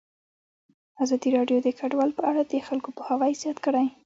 ازادي راډیو د کډوال په اړه د خلکو پوهاوی زیات کړی.